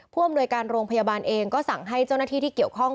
ผู้อำนวยการโรงพยาบาลเองก็สั่งให้เจ้าหน้าที่ที่เกี่ยวข้อง